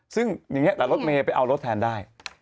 ซึ่งอย่างนี้แต่รถเมย์ไปเอารถแทนได้